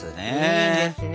いいですね。